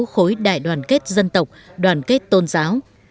khối đại đoàn kết dân tộc đoàn kết tôn giáo